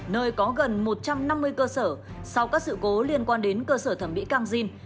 nơi có gần một trăm năm mươi cơ sở sau các sự cố liên quan đến cơ sở thẩm mỹ cang jin